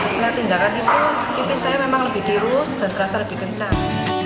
istilah tindakan itu ipis saya memang lebih tirus dan terasa lebih kencang